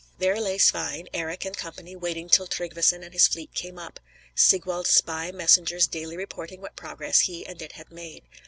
There lay Svein, Eric & Co. waiting till Tryggveson and his fleet came up, Sigwald's spy messengers daily reporting what progress he and it had made.